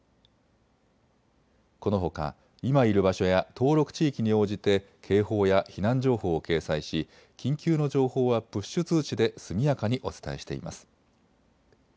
このほか今いる場所や登録地域に応じて警報や避難情報を掲載し緊急の情報はプッシュ通知で速やかにお伝えしています。